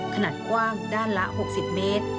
ขนาดกว้างด้านละ๖๐เมตร